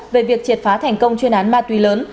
về việc triệt phá thành công chuyên án ma túy lớn